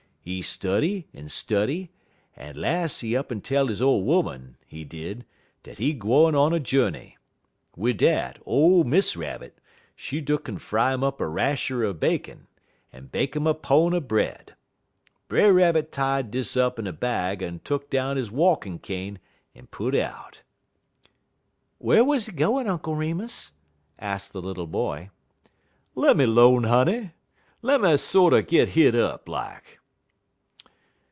He study en study, en las' he up'n tell he ole 'oman, he did, dat he gwine on a journey. Wid dat, ole Miss Rabbit, she tuck'n fry 'im up a rasher er bacon, en bake 'im a pone er bread. Brer Rabbit tied dis up in a bag en tuck down he walkin' cane en put out." "Where was he going, Uncle Remus?" asked the little boy. "Lemme 'lone, honey! Lemme sorter git hit up, like.